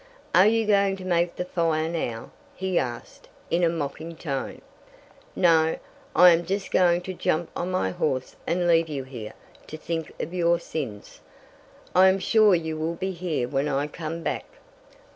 "Are you going to make the fire now?" he asked, in a mocking tone. "No, I am just going to jump on my horse and leave you here to think of your sins. I am sure you will be here when I come back."